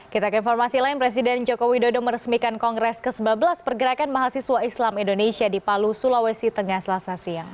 kita ke informasi lain presiden joko widodo meresmikan kongres ke sembilan belas pergerakan mahasiswa islam indonesia di palu sulawesi tengah selasa siang